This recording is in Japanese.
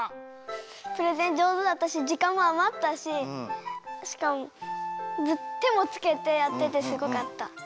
プレゼンじょうずだったしじかんもあまったししかもてもつけてやっててすごかった。